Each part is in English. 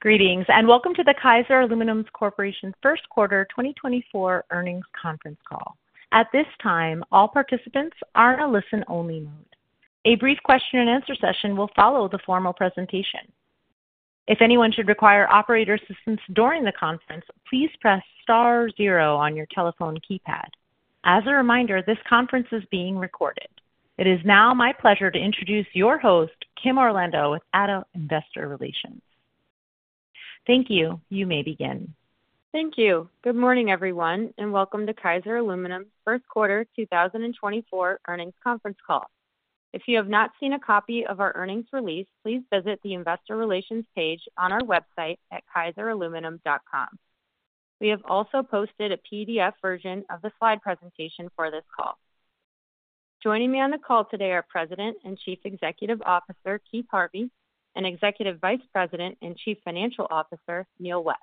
Greetings and welcome to the Kaiser Aluminum Corporation First Quarter 2024 Earnings Conference Call. At this time, all participants are in a listen-only mode. A brief question-and-answer session will follow the formal presentation. If anyone should require operator assistance during the conference, please press star zero on your telephone keypad. As a reminder, this conference is being recorded. It is now my pleasure to introduce your host, Kim Orlando, with Addo Investor Relations. Thank you. You may begin. Thank you. Good morning, everyone, and welcome to Kaiser Aluminum's First Quarter 2024 Earnings Conference Call. If you have not seen a copy of our earnings release, please visit the Investor Relations page on our website at kaiseraluminum.com. We have also posted a PDF version of the slide presentation for this call. Joining me on the call today are President and Chief Executive Officer Keith Harvey and Executive Vice President and Chief Financial Officer Neal West.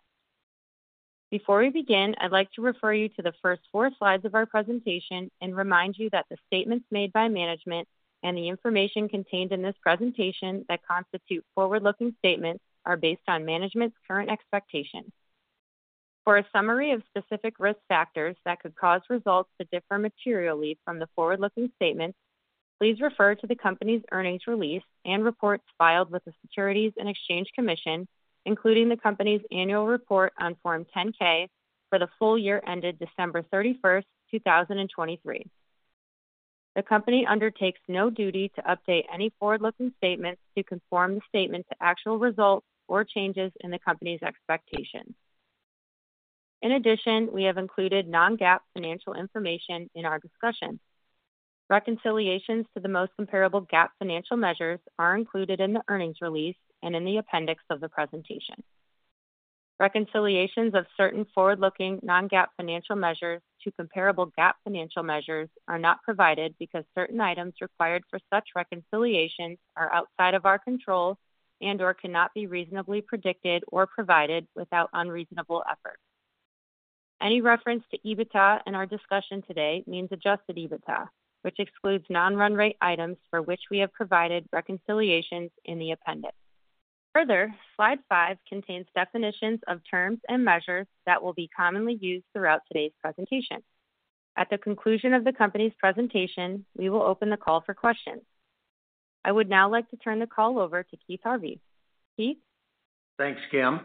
Before we begin, I'd like to refer you to the first four slides of our presentation and remind you that the statements made by management and the information contained in this presentation that constitute forward-looking statements are based on management's current expectations. For a summary of specific risk factors that could cause results to differ materially from the forward-looking statements, please refer to the company's earnings release and reports filed with the Securities and Exchange Commission, including the company's annual report on Form 10-K for the full year ended December 31st, 2023. The company undertakes no duty to update any forward-looking statements to conform the statement to actual results or changes in the company's expectations. In addition, we have included non-GAAP financial information in our discussion. Reconciliations to the most comparable GAAP financial measures are included in the earnings release and in the appendix of the presentation. Reconciliations of certain forward-looking non-GAAP financial measures to comparable GAAP financial measures are not provided because certain items required for such reconciliations are outside of our control and/or cannot be reasonably predicted or provided without unreasonable effort. Any reference to EBITDA in our discussion today means Adjusted EBITDA, which excludes non-run rate items for which we have provided reconciliations in the appendix. Further, Slide 5 contains definitions of terms and measures that will be commonly used throughout today's presentation. At the conclusion of the company's presentation, we will open the call for questions. I would now like to turn the call over to Keith Harvey. Keith? Thanks, Kim,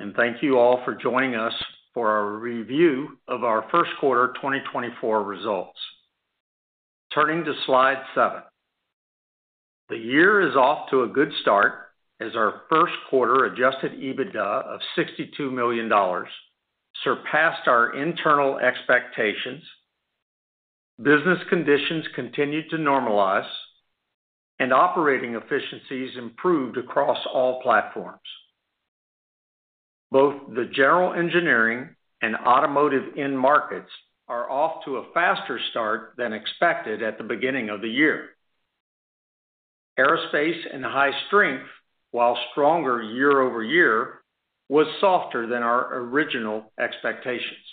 and thank you all for joining us for our review of our first quarter 2024 results. Turning to Slide 7. The year is off to a good start as our first quarter Adjusted EBITDA of $62 million surpassed our internal expectations, business conditions continued to normalize, and operating efficiencies improved across all platforms. Both the general engineering and automotive end markets are off to a faster start than expected at the beginning of the year. Aerospace and high-strength, while stronger year-over-year, was softer than our original expectations.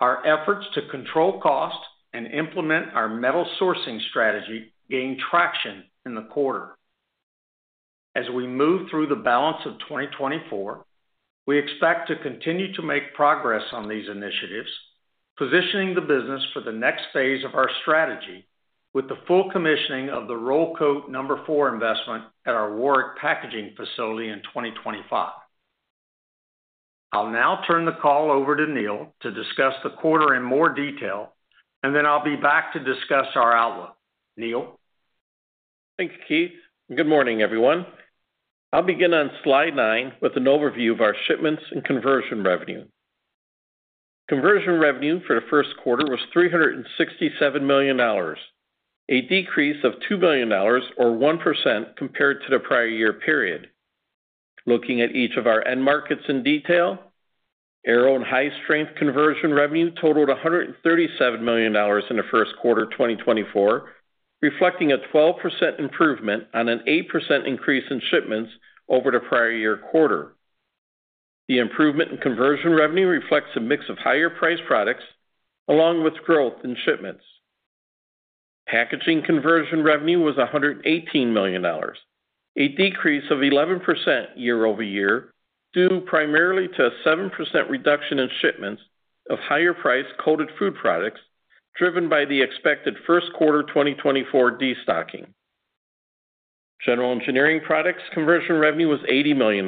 Our efforts to control cost and implement our metal sourcing strategy gained traction in the quarter. As we move through the balance of 2024, we expect to continue to make progress on these initiatives, positioning the business for the next phase of our strategy with the full commissioning of the Roll Coat 4 investment at our Warrick packaging facility in 2025. I'll now turn the call over to Neal to discuss the quarter in more detail, and then I'll be back to discuss our outlook. Neal? Thank you, Keith. Good morning, everyone. I'll begin on Slide 9 with an overview of our shipments and conversion revenue. Conversion revenue for the first quarter was $367 million, a decrease of $2 million or 1% compared to the prior year period. Looking at each of our end markets in detail, aerospace high-strength conversion revenue totaled $137 million in the first quarter 2024, reflecting a 12% improvement on an 8% increase in shipments over the prior year quarter. The improvement in conversion revenue reflects a mix of higher-priced products along with growth in shipments. Packaging conversion revenue was $118 million, a decrease of 11% year-over-year due primarily to a 7% reduction in shipments of higher-priced coated food products driven by the expected first quarter 2024 destocking. General engineering products conversion revenue was $80 million,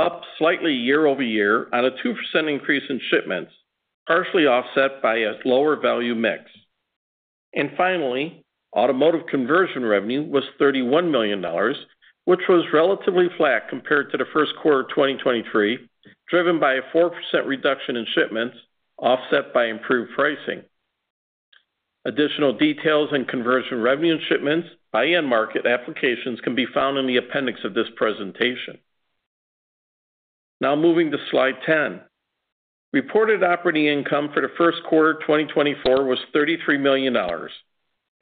up slightly year-over-year on a 2% increase in shipments, partially offset by a lower-value mix. And finally, automotive conversion revenue was $31 million, which was relatively flat compared to the First Quarter 2023, driven by a 4% reduction in shipments offset by improved pricing. Additional details on conversion revenue in shipments by end market applications can be found in the appendix of this presentation. Now moving to Slide 10. Reported operating income for the First Quarter 2024 was $33 million.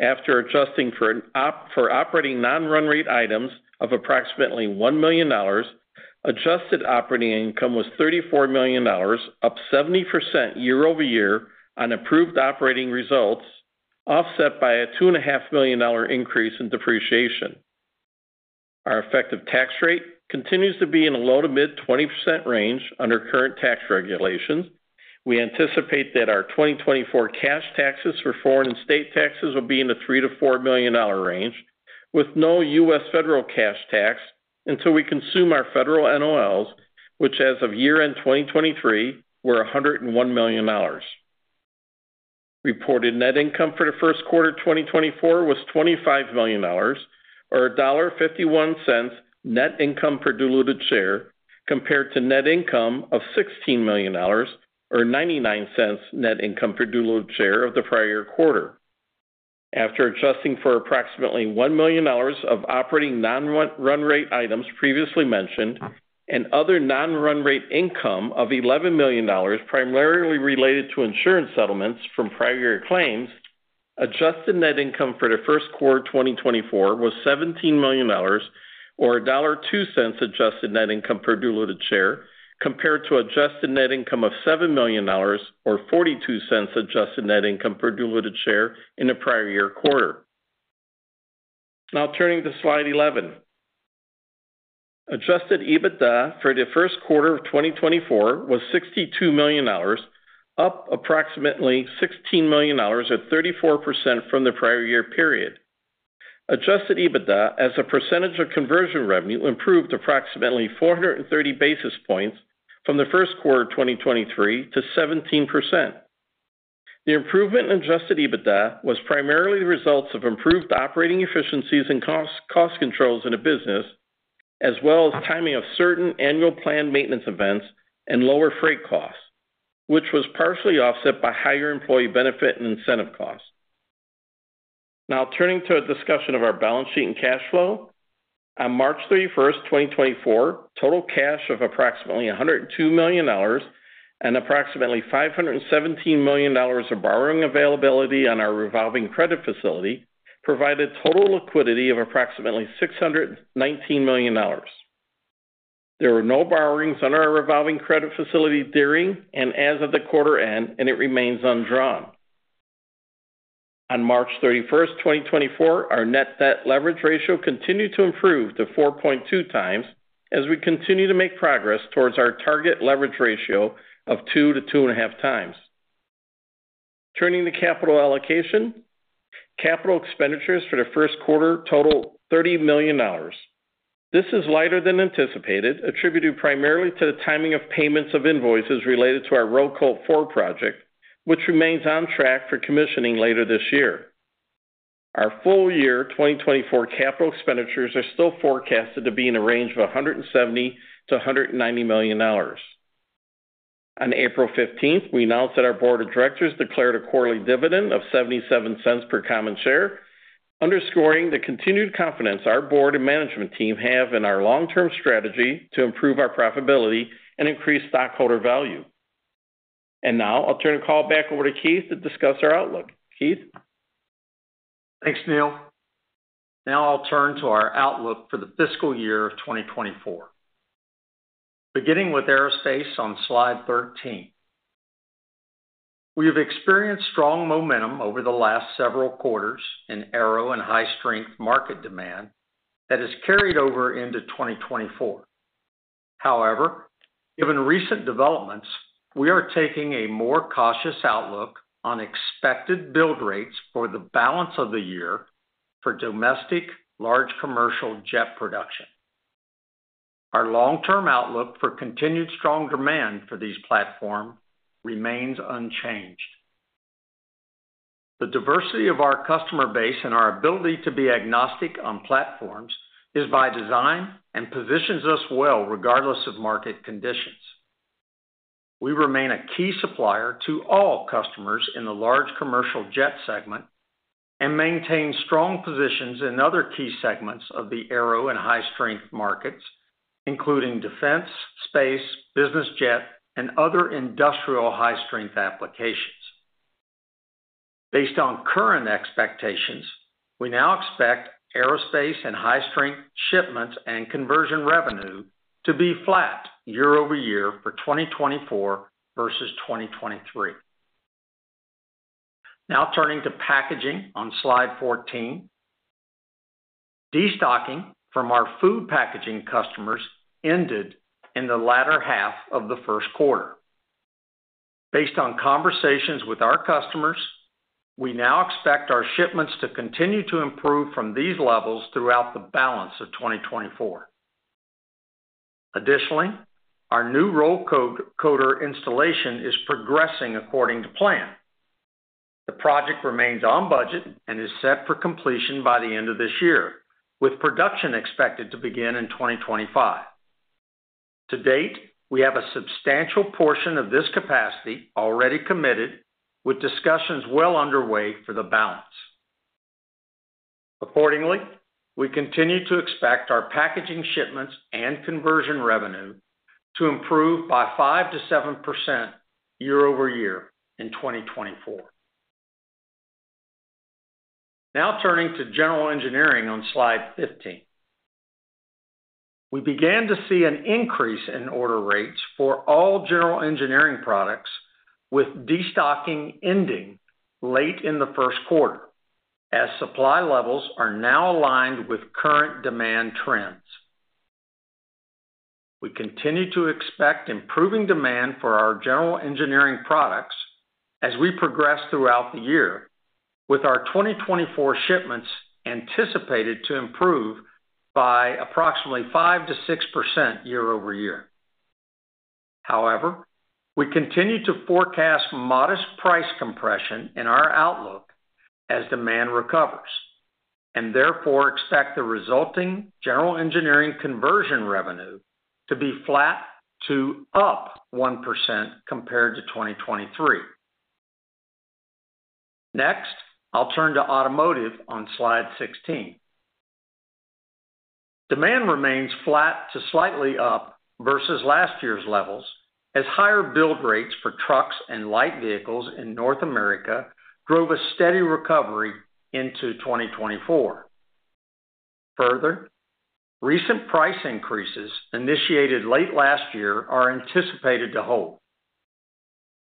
After adjusting for operating non-run rate items of approximately $1 million, adjusted operating income was $34 million, up 70% year-over-year on improved operating results, offset by a $2.5 million increase in depreciation. Our effective tax rate continues to be in a low to mid-20% range under current tax regulations. We anticipate that our 2024 cash taxes for foreign and state taxes will be in the $3 to $4 million range, with no U.S. federal cash tax until we consume our federal NOLs, which as of year-end 2023 were $101 million. Reported net income for the First Quarter 2024 was $25 million, or $1.51 net income per diluted share, compared to net income of $16 million, or $0.99 net income per diluted share of the prior year quarter. After adjusting for approximately $1 million of operating non-run rate items previously mentioned and other non-run rate income of $11 million primarily related to insurance settlements from prior year claims, adjusted net income for the First Quarter 2024 was $17 million, or $1.02 adjusted net income per diluted share, compared to adjusted net income of $7 million, or $0.42 adjusted net income per diluted share in the prior year quarter. Now turning to Slide 11. Adjusted EBITDA for the first quarter of 2024 was $62 million, up approximately $16 million or 34% from the prior year period. Adjusted EBITDA, as a percentage of conversion revenue, improved approximately 430 basis points from the first quarter 2023 to 17%. The improvement in Adjusted EBITDA was primarily the results of improved operating efficiencies and cost controls in a business, as well as timing of certain annual planned maintenance events and lower freight costs, which was partially offset by higher employee benefit and incentive costs. Now turning to a discussion of our balance sheet and cash flow. On March 31st, 2024, total cash of approximately $102 million and approximately $517 million of borrowing availability on our revolving credit facility provided total liquidity of approximately $619 million. There were no borrowings on our revolving credit facility during and as of the quarter end, and it remains undrawn. On March 31st, 2024, our net debt leverage ratio continued to improve to 4.2x as we continue to make progress towards our target leverage ratio of 2x to 2.5x. Turning to capital allocation. Capital expenditures for the first quarter totaled $30 million. This is lighter than anticipated, attributed primarily to the timing of payments of invoices related to our Roll Coat 4 project, which remains on track for commissioning later this year. Our full year 2024 capital expenditures are still forecasted to be in a range of $170 to $190 million. On April 15th, we announced that our board of directors declared a quarterly dividend of $0.77 per common share, underscoring the continued confidence our board and management team have in our long-term strategy to improve our profitability and increase stockholder value. Now I'll turn the call back over to Keith to discuss our outlook. Keith? Thanks, Neal. Now I'll turn to our outlook for the fiscal year of 2024. Beginning with aerospace on Slide 13. We have experienced strong momentum over the last several quarters in aero and high-strength market demand that has carried over into 2024. However, given recent developments, we are taking a more cautious outlook on expected build rates for the balance of the year for domestic large commercial jet production. Our long-term outlook for continued strong demand for these platforms remains unchanged. The diversity of our customer base and our ability to be agnostic on platforms is by design and positions us well regardless of market conditions. We remain a key supplier to all customers in the large commercial jet segment and maintain strong positions in other key segments of the aero and high-strength markets, including defense, space, business jet, and other industrial high-strength applications. Based on current expectations, we now expect aerospace and high-strength shipments and conversion revenue to be flat year-over-year for 2024 versus 2023. Now turning to packaging on Slide 14. Destocking from our food packaging customers ended in the latter half of the first quarter. Based on conversations with our customers, we now expect our shipments to continue to improve from these levels throughout the balance of 2024. Additionally, our new Roll Coater installation is progressing according to plan. The project remains on budget and is set for completion by the end of this year, with production expected to begin in 2025. To date, we have a substantial portion of this capacity already committed, with discussions well underway for the balance. Accordingly, we continue to expect our packaging shipments and conversion revenue to improve by 5%-7% year-over-year in 2024. Now turning to general engineering on Slide 15. We began to see an increase in order rates for all general engineering products, with destocking ending late in the First Quarter as supply levels are now aligned with current demand trends. We continue to expect improving demand for our general engineering products as we progress throughout the year, with our 2024 shipments anticipated to improve by approximately 5% to 6% year-over-year. However, we continue to forecast modest price compression in our outlook as demand recovers, and therefore expect the resulting general engineering conversion revenue to be flat to up 1% compared to 2023. Next, I'll turn to automotive on Slide 16. Demand remains flat to slightly up versus last year's levels as higher build rates for trucks and light vehicles in North America drove a steady recovery into 2024. Further, recent price increases initiated late last year are anticipated to hold.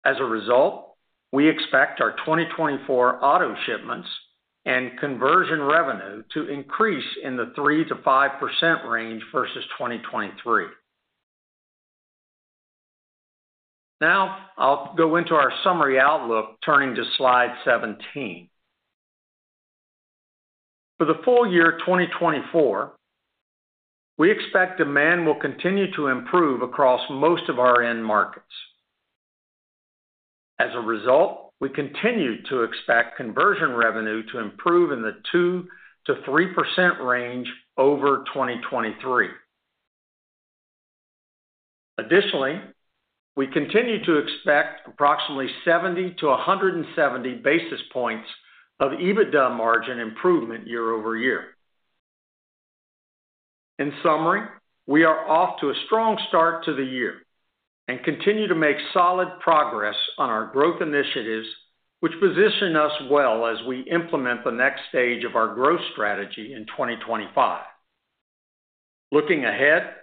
As a result, we expect our 2024 auto shipments and conversion revenue to increase in the 3% to 5% range versus 2023. Now I'll go into our summary outlook, turning to Slide 17. For the full year 2024, we expect demand will continue to improve across most of our end markets. As a result, we continue to expect conversion revenue to improve in the 2% to 3% range over 2023. Additionally, we continue to expect approximately 70 to 170 basis points of EBITDA margin improvement year-over-year. In summary, we are off to a strong start to the year and continue to make solid progress on our growth initiatives, which position us well as we implement the next stage of our growth strategy in 2025. Looking ahead,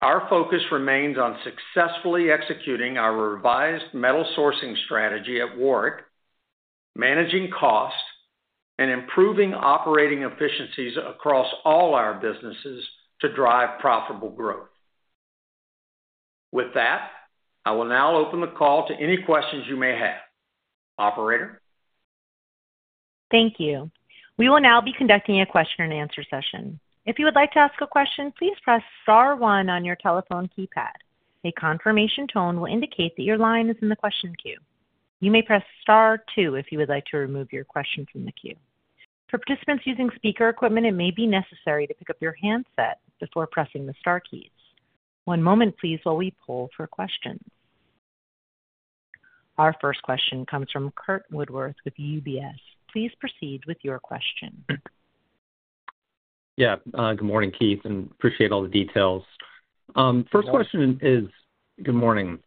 our focus remains on successfully executing our revised metal sourcing strategy at Warrick, managing cost, and improving operating efficiencies across all our businesses to drive profitable growth. With that, I will now open the call to any questions you may have. Operator? Thank you. We will now be conducting a question-and-answer session. If you would like to ask a question, please press star one on your telephone keypad. A confirmation tone will indicate that your line is in the question queue. You may press star two if you would like to remove your question from the queue. For participants using speaker equipment, it may be necessary to pick up your handset before pressing the star keys. One moment, please, while we pull for questions. Our first question comes from Curt Woodworth with UBS. Please proceed with your question. Yeah. Good morning, Keith, and appreciate all the details. First question is good morning.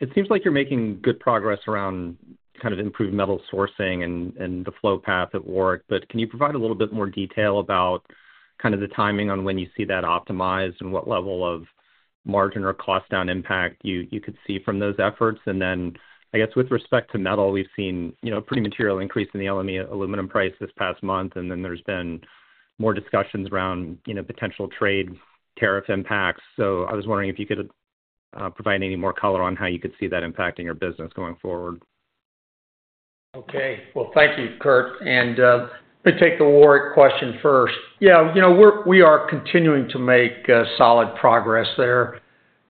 It seems like you're making good progress around kind of improved metal sourcing and the flow path at Warrick, but can you provide a little bit more detail about kind of the timing on when you see that optimized and what level of margin or cost-down impact you could see from those efforts? And then, I guess, with respect to metal, we've seen a pretty material increase in the aluminum price this past month, and then there's been more discussions around potential trade tariff impacts. So I was wondering if you could provide any more color on how you could see that impacting your business going forward. Okay. Well, thank you, Curt. Let me take the Warrick question first. Yeah, we are continuing to make solid progress there.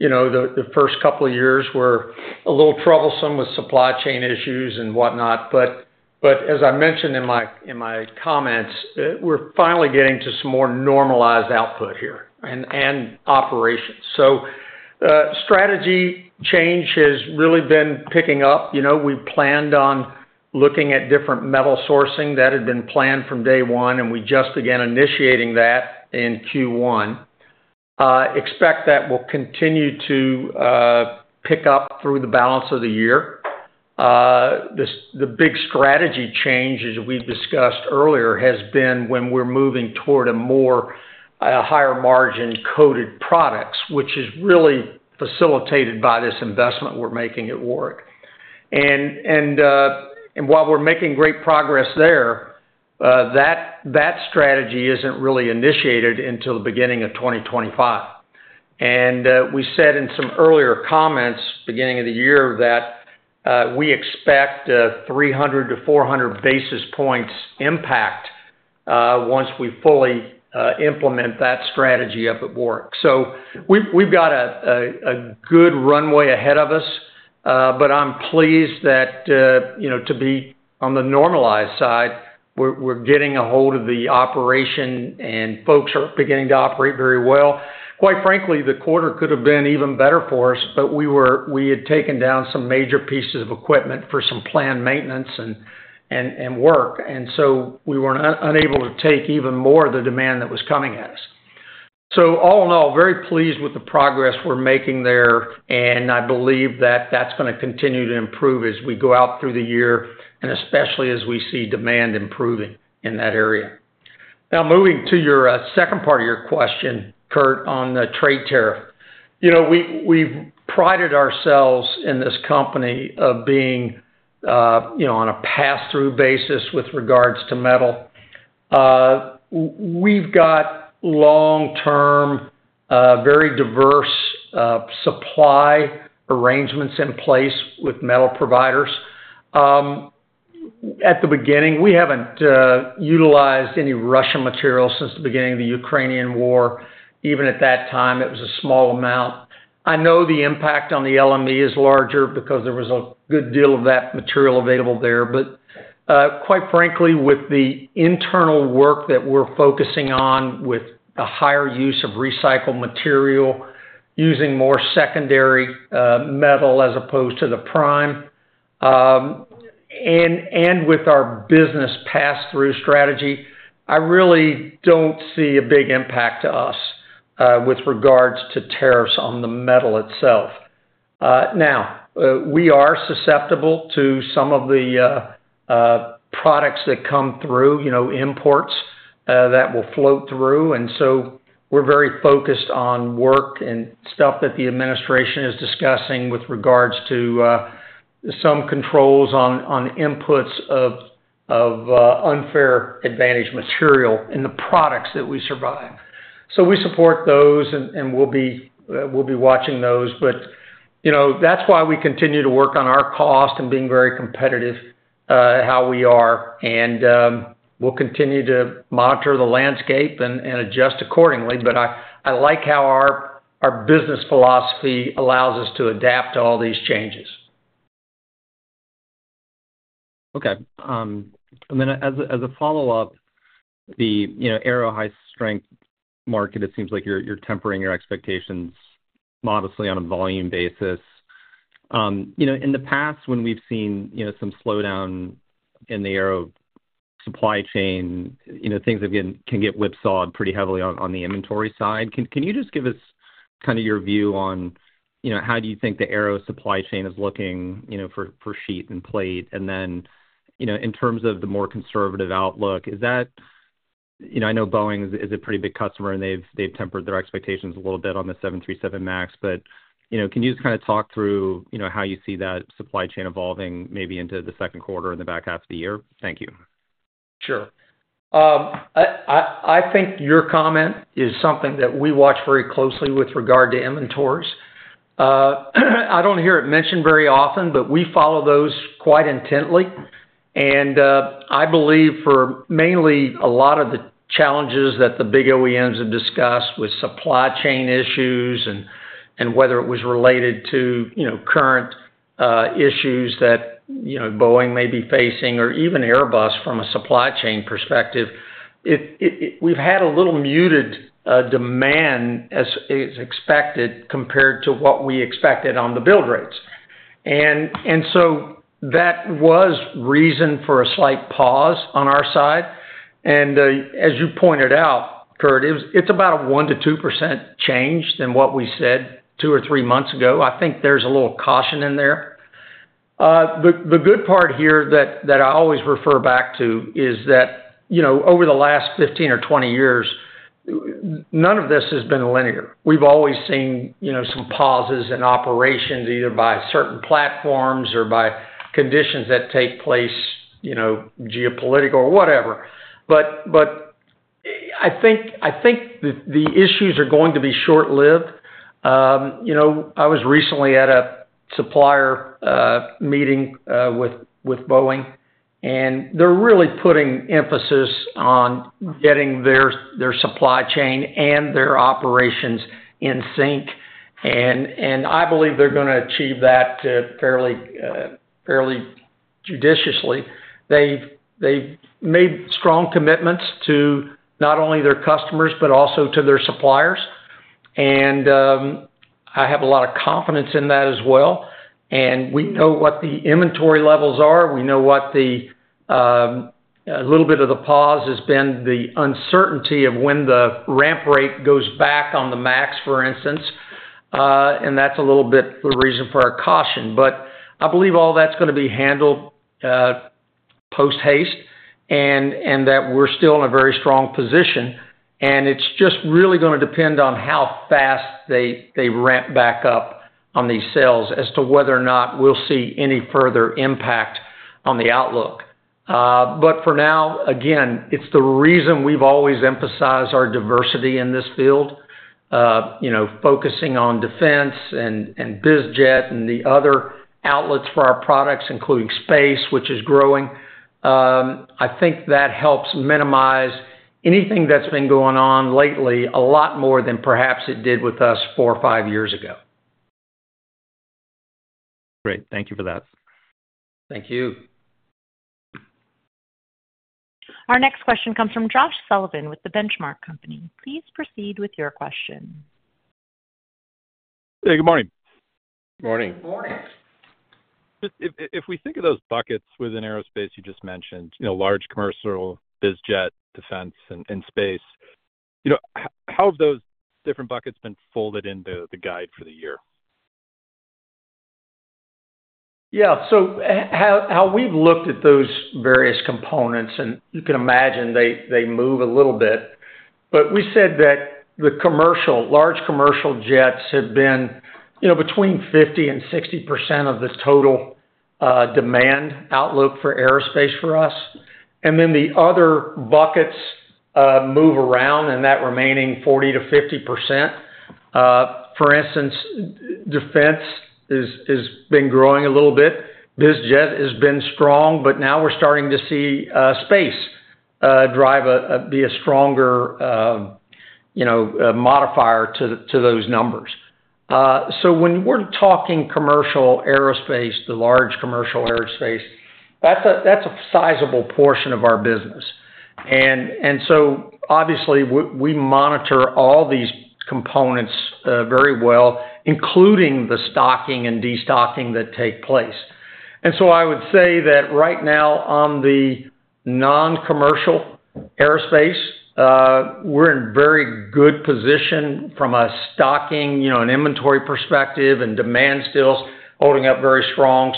The first couple of years were a little troublesome with supply chain issues and whatnot. But as I mentioned in my comments, we're finally getting to some more normalized output here and operations. So strategy change has really been picking up. We planned on looking at different metal sourcing. That had been planned from day one, and we just began initiating that in Q1. Expect that will continue to pick up through the balance of the year. The big strategy change, as we've discussed earlier, has been when we're moving toward a higher margin coated products, which is really facilitated by this investment we're making at Warrick. And while we're making great progress there, that strategy isn't really initiated until the beginning of 2025. And we said in some earlier comments beginning of the year that we expect 300 to 400 basis points impact once we fully implement that strategy up at Warrick. So we've got a good runway ahead of us, but I'm pleased that to be on the normalized side, we're getting a hold of the operation, and folks are beginning to operate very well. Quite frankly, the quarter could have been even better for us, but we had taken down some major pieces of equipment for some planned maintenance and work, and so we weren't unable to take even more of the demand that was coming at us. So all in all, very pleased with the progress we're making there, and I believe that that's going to continue to improve as we go out through the year and especially as we see demand improving in that area. Now moving to your second part of your question, Curt, on the trade tariff. We've prided ourselves in this company of being on a pass-through basis with regards to metal. We've got long-term, very diverse supply arrangements in place with metal providers. At the beginning, we haven't utilized any Russian materials since the beginning of the Ukrainian war. Even at that time, it was a small amount. I know the impact on the LME is larger because there was a good deal of that material available there. But quite frankly, with the internal work that we're focusing on with a higher use of recycled material, using more secondary metal as opposed to the prime, and with our business pass-through strategy, I really don't see a big impact to us with regards to tariffs on the metal itself. Now, we are susceptible to some of the products that come through, imports that will float through. And so we're very focused on work and stuff that the administration is discussing with regards to some controls on inputs of unfairly advantaged material in the products that we serve. So we support those, and we'll be watching those. But that's why we continue to work on our cost and being very competitive, how we are. And we'll continue to monitor the landscape and adjust accordingly. But I like how our business philosophy allows us to adapt to all these changes. Okay. And then as a follow-up, the aero high-strength market, it seems like you're tempering your expectations modestly on a volume basis. In the past, when we've seen some slowdown in the aero supply chain, things can get whipsawed pretty heavily on the inventory side. Can you just give us kind of your view on how do you think the aero supply chain is looking for sheet and plate? And then in terms of the more conservative outlook, is that I know Boeing is a pretty big customer, and they've tempered their expectations a little bit on the 737 MAX. But can you just kind of talk through how you see that supply chain evolving maybe into the second quarter and the back half of the year? Thank you. Sure. I think your comment is something that we watch very closely with regard to inventories. I don't hear it mentioned very often, but we follow those quite intently. And I believe for mainly a lot of the challenges that the big OEMs have discussed with supply chain issues and whether it was related to current issues that Boeing may be facing or even Airbus from a supply chain perspective, we've had a little muted demand as expected compared to what we expected on the build rates. And so that was reason for a slight pause on our side. And as you pointed out, Curt, it's about a 1% to 2% change than what we said two or three months ago. I think there's a little caution in there. The good part here that I always refer back to is that over the last 15 or 20 years, none of this has been linear. We've always seen some pauses in operations either by certain platforms or by conditions that take place, geopolitical or whatever. But I think the issues are going to be short-lived. I was recently at a supplier meeting with Boeing, and they're really putting emphasis on getting their supply chain and their operations in sync. And I believe they're going to achieve that fairly judiciously. They've made strong commitments to not only their customers but also to their suppliers. And I have a lot of confidence in that as well. And we know what the inventory levels are. We know what a little bit of the pause has been, the uncertainty of when the ramp rate goes back on the MAX, for instance. And that's a little bit the reason for our caution. But I believe all that's going to be handled post-haste and that we're still in a very strong position. And it's just really going to depend on how fast they ramp back up on these sales as to whether or not we'll see any further impact on the outlook. But for now, again, it's the reason we've always emphasized our diversity in this field, focusing on defense and biz jet and the other outlets for our products, including space, which is growing. I think that helps minimize anything that's been going on lately a lot more than perhaps it did with us four or five years ago. Great. Thank you for that. Thank you. Our next question comes from Josh Sullivan with The Benchmark Company. Please proceed with your question. Hey. Good morning. Good morning. Good morning. If we think of those buckets within aerospace you just mentioned, large commercial, BizJet, defense, and space, how have those different buckets been folded into the guide for the year? Yeah. So how we've looked at those various components, and you can imagine they move a little bit. But we said that the large commercial jets have been between 50%-60% of the total demand outlook for aerospace for us. And then the other buckets move around in that remaining 40% to 50%. For instance, defense has been growing a little bit. BizJet has been strong, but now we're starting to see space be a stronger modifier to those numbers. So when we're talking commercial aerospace, the large commercial aerospace, that's a sizable portion of our business. And so obviously, we monitor all these components very well, including the stocking and destocking that take place. And so I would say that right now, on the non-commercial aerospace, we're in very good position from a stocking and inventory perspective, and demand still holding up very strong.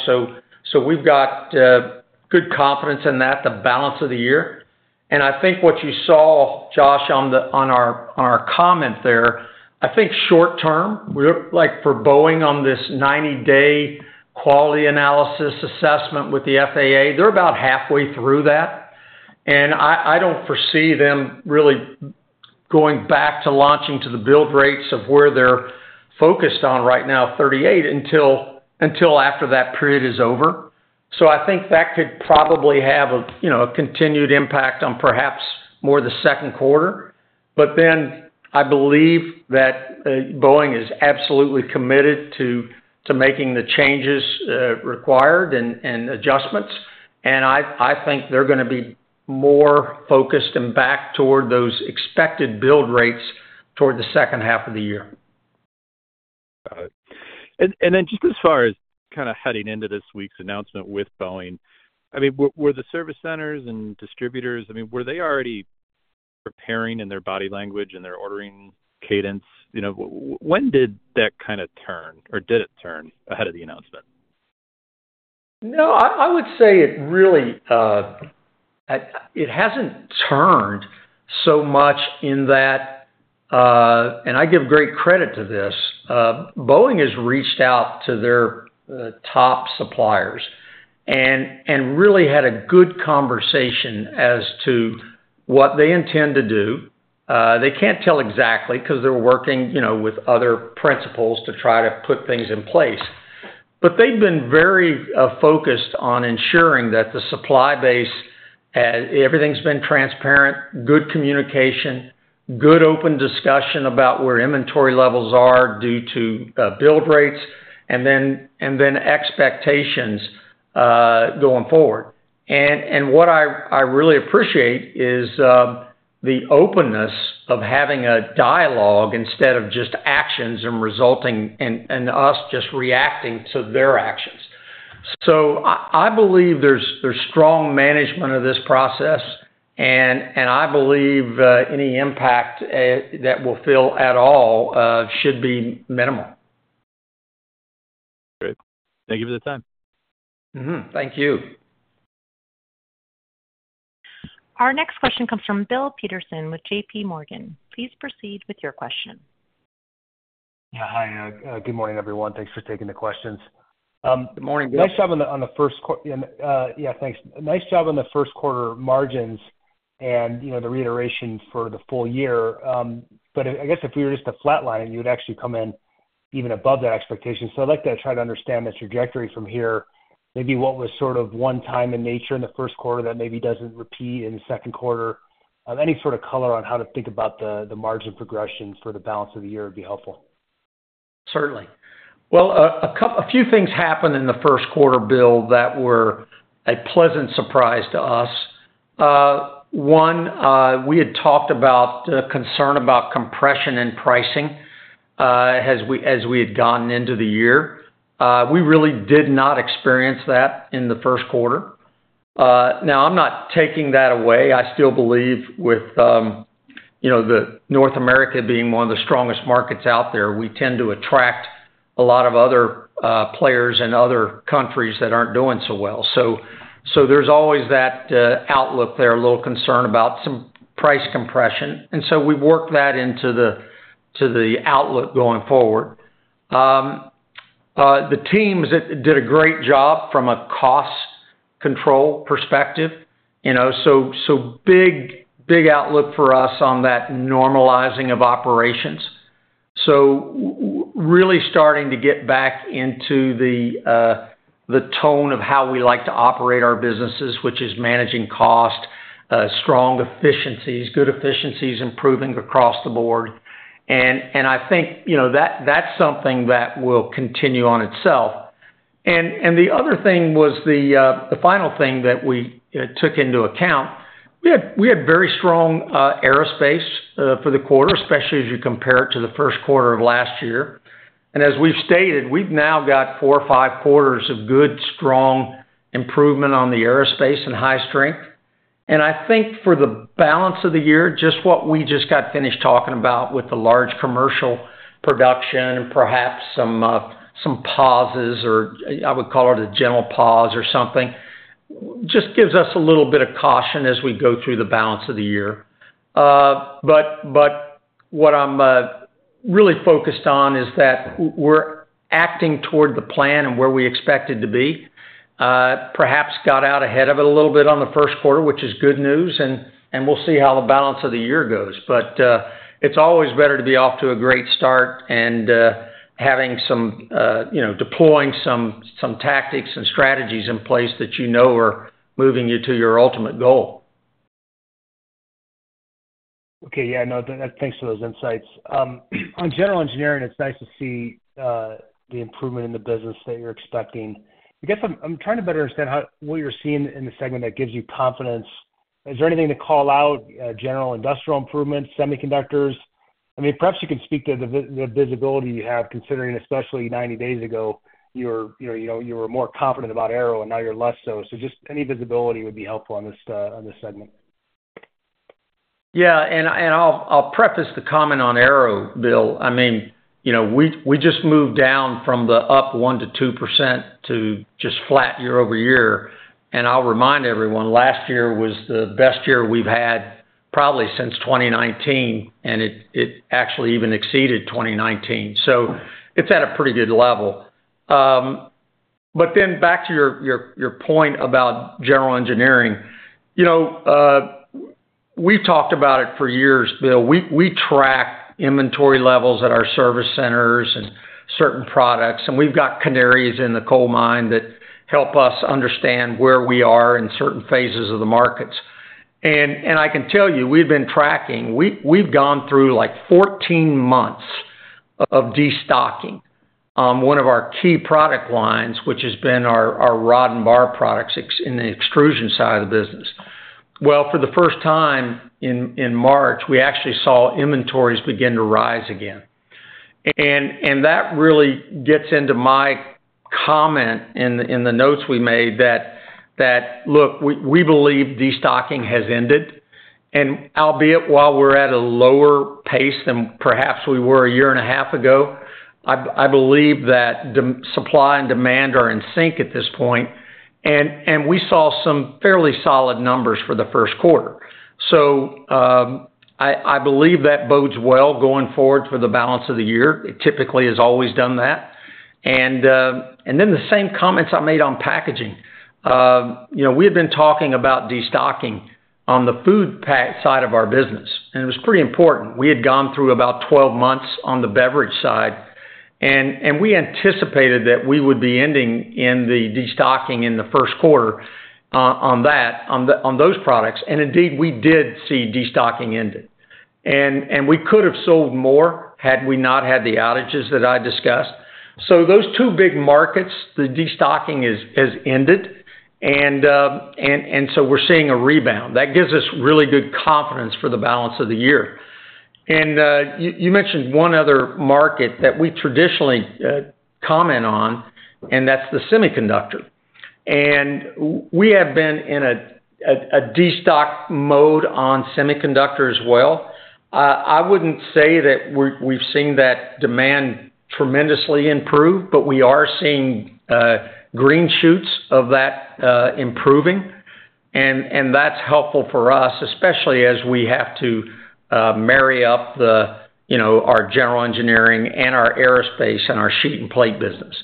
So we've got good confidence in that, the balance of the year. And I think what you saw, Josh, on our comment there, I think short-term, for Boeing on this 90-day quality analysis assessment with the FAA, they're about halfway through that. And I don't foresee them really going back to launching to the build rates of where they're focused on right now, 38, until after that period is over. So I think that could probably have a continued impact on perhaps more the second quarter. But then I believe that Boeing is absolutely committed to making the changes required and adjustments. And I think they're going to be more focused and back toward those expected build rates toward the second half of the year. Got it. Just as far as kind of heading into this week's announcement with Boeing, I mean, were the service centers and distributors, I mean, were they already preparing in their body language and their ordering cadence? When did that kind of turn, or did it turn, ahead of the announcement? No, I would say it really hasn't turned so much in that and I give great credit to this. Boeing has reached out to their top suppliers and really had a good conversation as to what they intend to do. They can't tell exactly because they're working with other principals to try to put things in place. But they've been very focused on ensuring that the supply base, everything's been transparent, good communication, good open discussion about where inventory levels are due to build rates, and then expectations going forward. And what I really appreciate is the openness of having a dialogue instead of just actions and us just reacting to their actions. So I believe there's strong management of this process, and I believe any impact that will feel at all should be minimal. Great. Thank you for the time. Thank you. Our next question comes from Bill Peterson with J.P. Morgan. Please proceed with your question. Yeah. Hi. Good morning, everyone. Thanks for taking the questions. Good morning. Nice job on the first yeah. Thanks. Nice job on the first quarter margins and the reiteration for the full year. But I guess if we were just to flatline it, you would actually come in even above that expectation. So I'd like to try to understand that trajectory from here. Maybe what was sort of one-time in nature in the first quarter that maybe doesn't repeat in the second quarter. Any sort of color on how to think about the margin progression for the balance of the year would be helpful. Certainly. Well, a few things happened in the first quarter, Bill, that were a pleasant surprise to us. One, we had talked about concern about compression in pricing as we had gotten into the year. We really did not experience that in the first quarter. Now, I'm not taking that away. I still believe with North America being one of the strongest markets out there, we tend to attract a lot of other players and other countries that aren't doing so well. So there's always that outlook there, a little concern about some price compression. And so we've worked that into the outlook going forward. The teams did a great job from a cost control perspective. So big outlook for us on that normalizing of operations. So really starting to get back into the tone of how we like to operate our businesses, which is managing cost, strong efficiencies, good efficiencies improving across the board. And I think that's something that will continue on itself. And the other thing was the final thing that we took into account. We had very strong aerospace for the quarter, especially as you compare it to the first quarter of last year. And as we've stated, we've now got four or five quarters of good, strong improvement on the aerospace and high-strength. And I think for the balance of the year, just what we just got finished talking about with the large commercial production and perhaps some pauses or I would call it a general pause or something just gives us a little bit of caution as we go through the balance of the year. But what I'm really focused on is that we're acting toward the plan and where we expect it to be. Perhaps got out ahead of it a little bit on the first quarter, which is good news. And we'll see how the balance of the year goes. But it's always better to be off to a great start and having some deploying some tactics and strategies in place that you know are moving you to your ultimate goal. Okay. Yeah. No, thanks for those insights. On general engineering, it's nice to see the improvement in the business that you're expecting. I guess I'm trying to better understand what you're seeing in the segment that gives you confidence. Is there anything to call out, general industrial improvements, semiconductors? I mean, perhaps you can speak to the visibility you have considering, especially 90 days ago, you were more confident about aero and now you're less so. So just any visibility would be helpful on this segment. Yeah. And I'll preface the comment on aero, Bill. I mean, we just moved down from the up 1% to 2% to just flat year-over-year. And I'll remind everyone, last year was the best year we've had probably since 2019. And it actually even exceeded 2019. So it's at a pretty good level. But then back to your point about general engineering, we've talked about it for years, Bill. We track inventory levels at our service centers and certain products. And we've got canaries in the coal mine that help us understand where we are in certain phases of the markets. And I can tell you, we've been tracking. We've gone through like 14 months of destocking one of our key product lines, which has been our rod and bar products in the extrusion side of the business. Well, for the first time in March, we actually saw inventories begin to rise again. And that really gets into my comment in the notes we made that, look, we believe destocking has ended. And albeit while we're at a lower pace than perhaps we were a year and a half ago, I believe that supply and demand are in sync at this point. And we saw some fairly solid numbers for the first quarter. So I believe that bodes well going forward for the balance of the year. It typically has always done that. And then the same comments I made on packaging. We had been talking about destocking on the food side of our business. And it was pretty important. We had gone through about 12 months on the beverage side. We anticipated that we would be ending in the destocking in the first quarter on those products. Indeed, we did see destocking ended. We could have sold more had we not had the outages that I discussed. So those two big markets, the destocking has ended. We're seeing a rebound. That gives us really good confidence for the balance of the year. You mentioned one other market that we traditionally comment on, and that's the semiconductor. We have been in a destock mode on semiconductor as well. I wouldn't say that we've seen that demand tremendously improve, but we are seeing green shoots of that improving. That's helpful for us, especially as we have to marry up our general engineering and our aerospace and our sheet and plate business.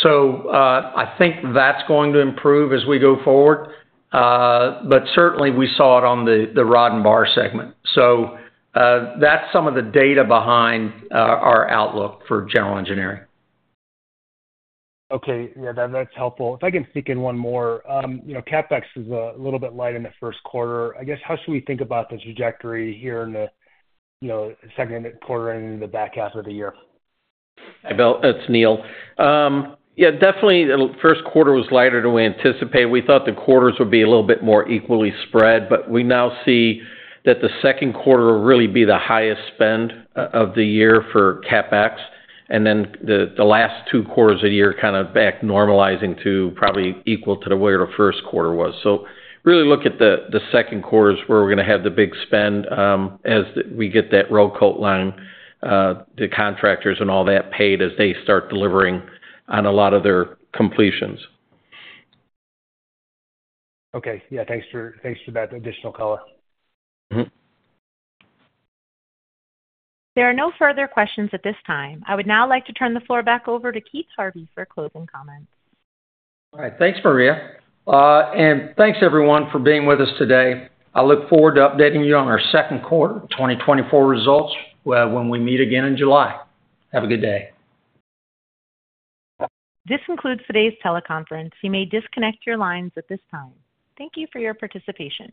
So I think that's going to improve as we go forward. But certainly, we saw it on the rod and bar segment. So that's some of the data behind our outlook for general engineering. Okay. Yeah. That's helpful. If I can sneak in one more, CapEx is a little bit light in the first quarter. I guess how should we think about the trajectory here in the second quarter and in the back half of the year? Hi, Bill. It's Neal. Yeah. Definitely, the first quarter was lighter than we anticipated. We thought the quarters would be a little bit more equally spread. But we now see that the second quarter will really be the highest spend of the year for CapEx, and then the last two quarters of the year kind of back normalizing to probably equal to where the first quarter was. So really look at the second quarter where we're going to have the big spend as we get that Roll Coat line, the contractors, and all that paid as they start delivering on a lot of their completions. Okay. Yeah. Thanks for that additional color. There are no further questions at this time. I would now like to turn the floor back over to Keith Harvey for closing comments. All right. Thanks, Maria. Thanks, everyone, for being with us today. I look forward to updating you on our second quarter, 2024 results, when we meet again in July. Have a good day. This concludes today's teleconference. You may disconnect your lines at this time. Thank you for your participation.